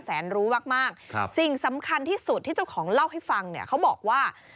รู้มากสิ่งสำคัญที่สุดที่เจ้าของเล่าให้ฟังเนี่ยเขาบอกว่า